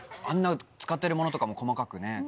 あんな使ってる物とかも細かくね。